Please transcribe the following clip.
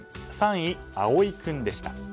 ３位、蒼君でした。